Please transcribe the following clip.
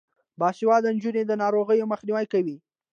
باسواده نجونې د ناروغیو مخنیوی کوي.